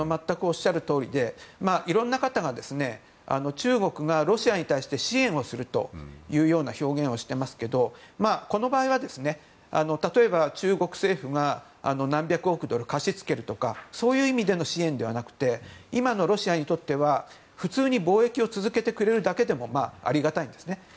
全くおっしゃるとおりでいろんな方が中国がロシアに対して支援をするという表現をしていますけどこの場合は例えば、中国政府が何百億ドル貸し付けるとかそういう意味での支援ではなくて今のロシアにとっては、普通に貿易を続けてくれるだけでもありがたいんですね。